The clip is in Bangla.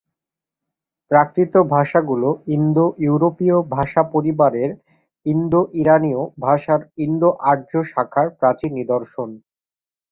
প্রাকৃত ভাষাগুলি ইন্দো-ইউরোপীয় ভাষাপরিবারের ইন্দো-ইরানীয় শাখার ইন্দো-আর্য শাখার প্রাচীন নিদর্শন।